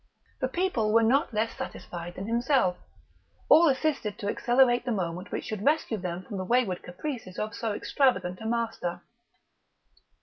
The people were not less satisfied than himself; all assisted to accelerate the moment which should rescue them from the wayward caprices of so extravagant a master.